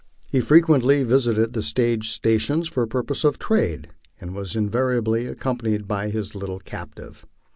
He frequently visited the stage stations for purposes of trade, and was invari ably accompanied by his little captive.